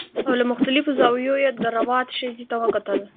او له مختلفو زاویو یې د روات ښځې ته وکتل